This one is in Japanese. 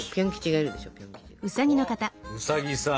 あウサギさん！